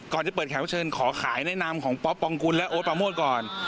ก่อนจะเปิดแขกพักเชิญขอขายในนามของป๊อปปองกุลและโอ๊ตปาโมดก่อน